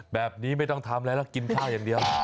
แบบนี้ไม่ต้องทำอะไรแล้วกินข้าวอย่างเดียว